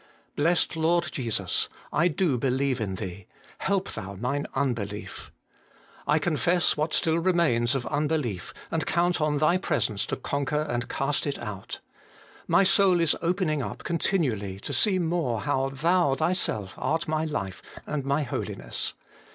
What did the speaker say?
Blessed Lord Jesus ! I do believe in Thee, help Thou mine unbelief. I confess what still remains of unbelief, and count on Thy presence to conquer and cast it out. My soul is opening up continually to see more how Thou Thyself art my Life and my Holiness.